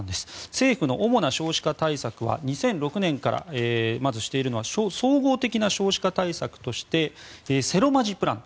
政府の主な少子化対策は２００６年からしているのは総合的な少子化対策としてセロマジ・プラン。